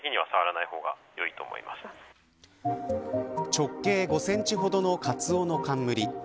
直径５センチほどのカツオノカンムリ。